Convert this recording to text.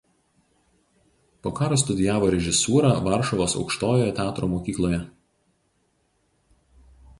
Po karo studijavo režisūrą Varšuvos aukštojoje teatro mokykloje.